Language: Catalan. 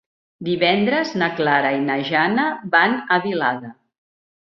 Divendres na Clara i na Jana van a Vilada.